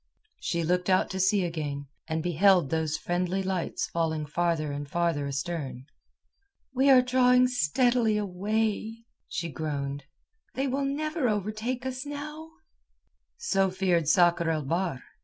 She looked out to sea again, and beheld those friendly lights falling farther and farther astern. "We are drawing steadily away," she groaned. "They will never overtake us now." So feared Sakr el Bahr.